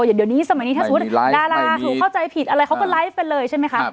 เดี๋ยวนี้สมัยนี้ถ้าสมมุติดาราถูกเข้าใจผิดอะไรเขาก็ไลฟ์กันเลยใช่ไหมคะ